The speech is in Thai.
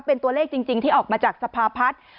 เป็นตัวเลขจริงที่ออกมาจากสภาพัฒน์